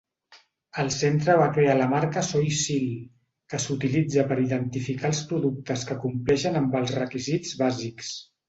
El centre va crear la marca SoySeal, que s'utilitza per identificar els productes que compleixen amb els requisits bàsics.